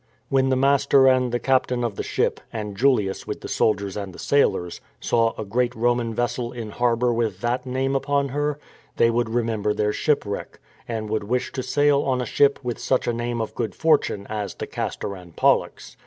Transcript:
^ When the master and the captain of the ship, and Julius with the soldiers and the sailors, saw a great Roman vessel in harbour with that name upon her, they would remember their shipwreck, and would wish to sail on a ship with such a name of good fortune as the Castor and Pollux.